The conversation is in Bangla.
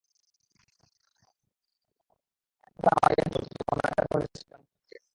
মারয়ামকে তারা মাবিয়াহ বলত, যেমন রাজার পরিবারের স্ত্রীকে রানী বলা হয়ে থাকে।